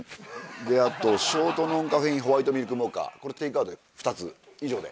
あとショートノンカフェインホワイトミルクモカこれテイクアウトで２つ以上で。